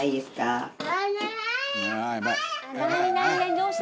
どうした？